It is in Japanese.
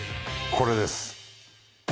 これです。